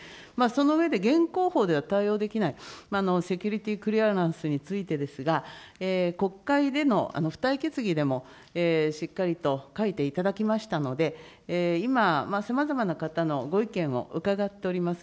その上で、現行法では対応できないセキュリティクリアランスについてですが、国会での付帯決議でもしっかりと書いていただきましたので、今、さまざまな方のご意見を伺っております。